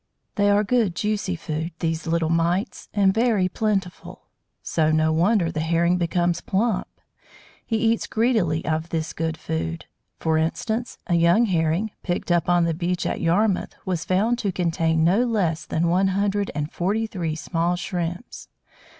They are good juicy food, these little mites, and very plentiful; so no wonder the Herring becomes plump. He eats greedily of this good food. For instance, a young Herring, picked up on the beach at Yarmouth, was found to contain no less than one hundred and forty three small shrimps.